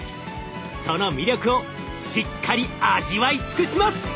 その魅力をしっかり味わい尽くします！